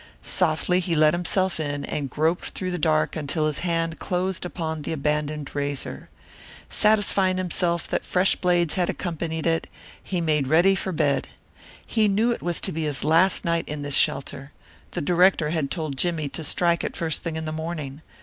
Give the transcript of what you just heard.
Softly he let himself in and groped through the dark until his hand closed upon the abandoned razor. Satisfying himself that fresh blades had accompanied it, he made ready for bed. He knew it was to be his last night in this shelter. The director had told Jimmie to strike it first thing in the morning.